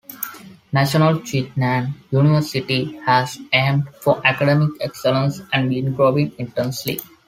National Chi Nan University has aimed for academic excellence and been growing intensely.